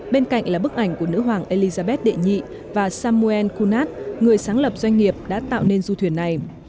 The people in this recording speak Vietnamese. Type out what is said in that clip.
bên cạnh là bức ảnh của nữ hoàng elizabeth đệ nhị và samuel kunat người sáng lập doanh nghiệp đã tạo nên du thuyền này